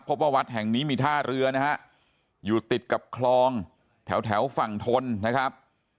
พบว่าวัดแห่งนี้มีท่าเรือนะฮะอยู่ติดกับคลองแถวฝั่งทนนะครับ